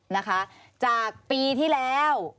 นะคะจากปีที่แล้ว